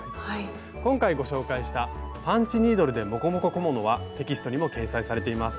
今回ご紹介したパンチニードルでモコモコ小物はテキストにも掲載されています。